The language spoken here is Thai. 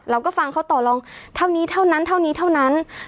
เราก็ฟังเขาต่อลองเท่านี้เท่านั้นเท่านี้เท่านั้น